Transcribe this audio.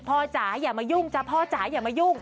จ๋าอย่ามายุ่งจ๊ะพ่อจ๋าอย่ามายุ่ง